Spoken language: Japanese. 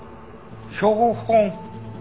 標本。